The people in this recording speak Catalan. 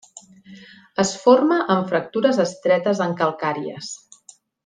Es forma en fractures estretes en calcàries.